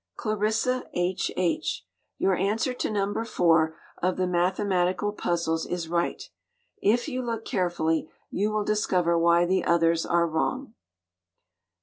CLARISSA H. H. Your answer to No. 4 of the mathematical puzzles is right. If you look carefully you will discover why the others are wrong.